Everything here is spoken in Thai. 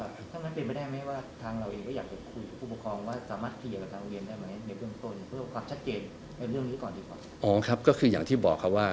ถ้ามันเป็นไปได้ไหมว่าทางเราเองก็อยากจะคุยกับผู้ประคองว่าสามารถเคลียร์กับทางโรงเรียนได้ไหมในเรื่องต้นเพื่อความชัดเจนในเรื่องนี้ก่อนดีกว่า